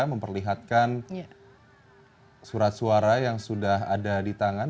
memperlihatkan surat suara yang sudah ada di tangan